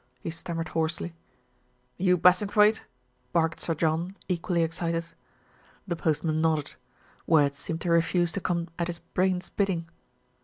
he stammered hoarsely. "You Bassingthwaighte?" barked Sir John, equally excited. The postman nodded. Words seemed to refuse to come at his brain's bidding.